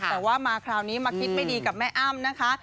แต่ว่ามาคราวนี้มาคิดไม่ดีกับแม่อ้ำนะคะ